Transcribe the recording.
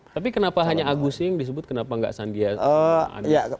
tapi kenapa hanya agusing disebut kenapa gak sandhya anies